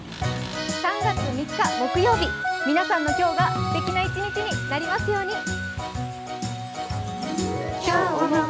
３月３日、木曜日皆さんの今日がすてきな一日になりますように。